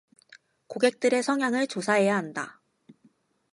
고객들의 성향을 조사해야 한다.